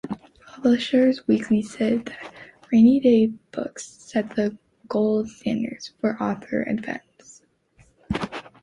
Publishers Weekly says that "Rainy Day Books sets the gold standard" for author events.